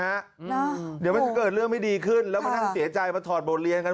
เดี๋ยวมันจะเกิดเรื่องไม่ดีขึ้นแล้วมานั่งเสียใจมาถอดบทเรียนกัน